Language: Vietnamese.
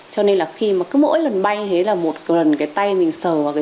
cho nên là khi mà cứ mỗi lần bay thế là một lần cái tay mình sờ vào cái